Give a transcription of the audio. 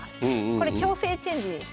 これ強制チェンジです。